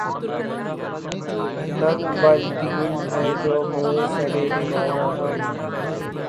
ننگ بالیدن ہیں جوں موئے سرِ دیوانہ ہم